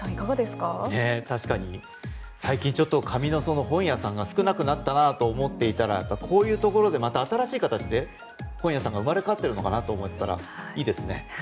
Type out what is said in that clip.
確かに最近ちょっと紙の本屋さんが少なくなったなと思っていたらこういうところでまた新しい形で本屋さんが生まれ変わってるのかなと思ったらいいですね。